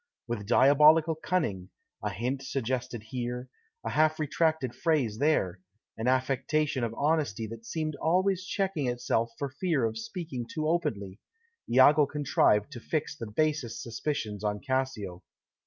With diabolical cunning a hint suggested here, a half retracted phrase there, an affectation of honesty that seemed always checking itself for fear of speaking too openly Iago contrived to fix the basest suspicions on Cassio.